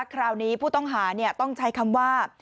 คราวนี้ผู้ต้องหาต้องใช้คำว่า